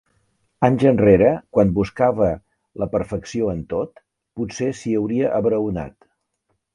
Anys enrere, quan buscava la perfecció en tot, potser s'hi hauria abraonat.